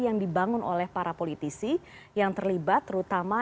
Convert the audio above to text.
yang dibangun oleh para politisi yang terlibat terutama